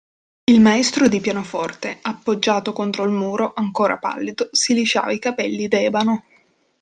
Il maestro di pianoforte, appoggiato contro il muro, ancora pallido, si lisciava i capelli d'ebano.